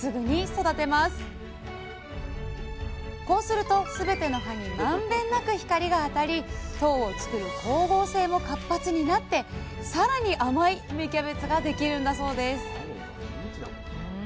こうすると全ての葉に満遍なく光が当たり糖を作る光合成も活発になって更に甘い芽キャベツができるんだそうです